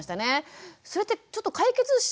それってちょっと解決しないのでは？